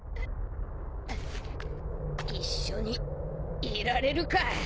一緒にいられるか。